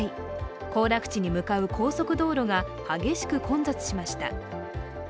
行楽地に向かう高速道路が激しく混雑しました。